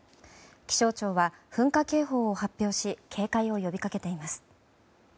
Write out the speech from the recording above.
気象庁は噴火警報を発表し警戒を呼びかけています。